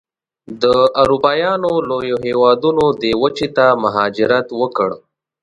د اروپایانو لویو هېوادونو دې وچې ته مهاجرت وکړ.